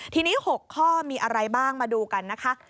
ทีนี้๖ข้อมีอะไรบ้างมาดูกันนะคะ